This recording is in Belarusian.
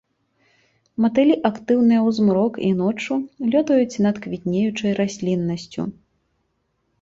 Матылі актыўныя ў змрок і ноччу, лётаюць над квітнеючай расліннасцю.